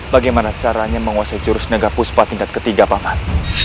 bagaimana caranya menguasai jurus negah puspa tindak ketiga paman